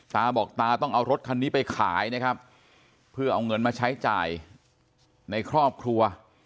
ตาบอกตาต้องเอารถคันนี้ไปขายนะครับเพื่อเอาเงินมาใช้จ่ายในครอบครัว